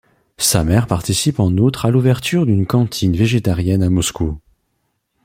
Sa mère participe en outre à l’ouverture d’une cantine végétarienne à Moscou.